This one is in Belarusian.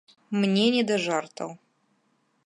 Мне не да жартаў!